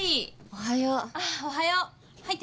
おはよう。